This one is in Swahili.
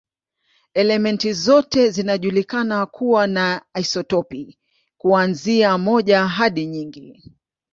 Elementi zote zinajulikana kuwa na isotopi, kuanzia moja hadi nyingi.